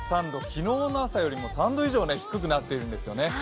昨日の朝よりも３度以上低くなってるんですよね。